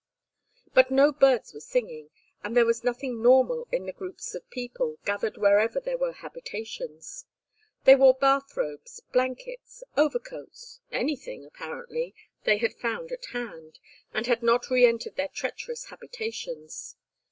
But no birds were singing, and there was nothing normal in the groups of people, gathered wherever there were habitations: they wore bath robes, blankets, overcoats, anything, apparently, they had found at hand, and had not re entered their treacherous habitations.